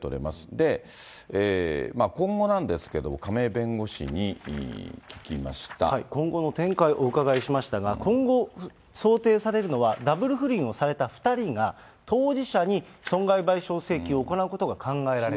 で、今後なんですけど、亀井弁護今後の展開をお伺いしましたが、今後、想定されるのは、ダブル不倫をされた２人が当事者に損害賠償請求を行うことが考えられる。